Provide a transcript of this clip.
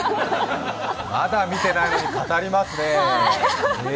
まだ見てないのに語りますね。